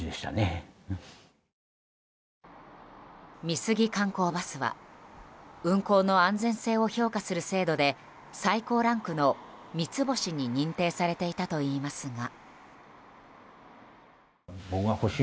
美杉観光バスは運行の安全性を評価する制度で最高ランクの三ツ星に認定されていたといいますが。